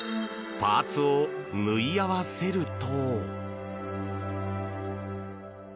パーツを縫い合わせると。